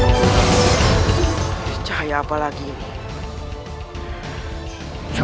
agar kekuatanku tambah luar biasa